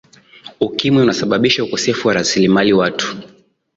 ukimwi unasababisha ukosefu wa rasilimali watu